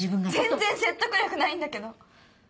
全然説得力ないんだけど。